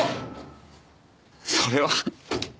それは。